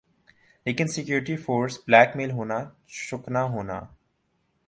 لیکن security force blackmail ہونا چکنا ہونا